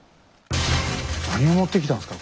何を持ってきたんですか？